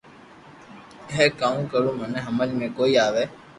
ھي ڪاوُ ڪرو مني ھمج ۾ ڪوئي آوي